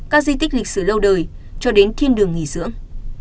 các di tích lịch sử lâu đời cho đến thiên đường nghỉ dưỡng